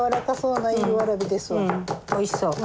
うんおいしそう。